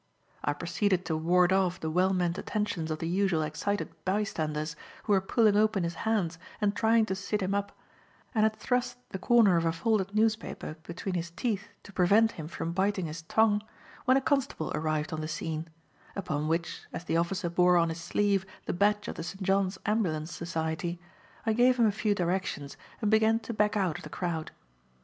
I proceeded to ward off the well meant attentions of the usual excited bystanders, who were pulling open his hands and trying to sit him up, and had thrust the corner of a folded newspaper between his teeth to prevent him from biting his tongue when a constable arrived on the scene; upon which, as the officer bore on his sleeve the badge of the St. John's Ambulance Society, I gave him a few directions and began to back out of the crowd.